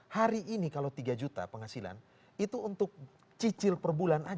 hari ini kalau tiga juta penghasilan itu untuk cicil per bulan